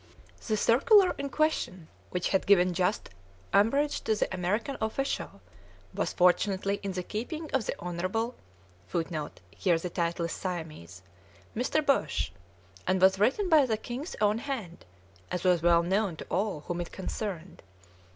The circular in question, which had given just umbrage to the American official, was fortunately in the keeping of the Honorable [Footnote: Here the title is Siamese.] Mr. Bush, and was written by the king's own hand, as was well known to all whom it concerned.